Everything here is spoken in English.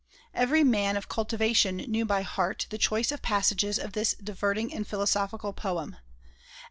Every man of cultivation knew by heart the choice passages of this diverting and philosophical poem.